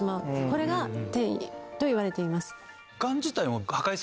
これが転移といわれています。